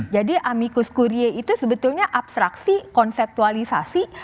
jadi amikus kurie itu sebetulnya abstraksi konseptualisasi